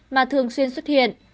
mà thường xuyên xuất hiện